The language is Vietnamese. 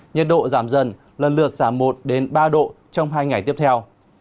nhiệt độ giảm dần lần lượt giảm một ba độ trong hai ngày tiếp theo